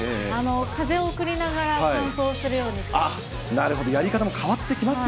風を送りながら乾燥するようにしています。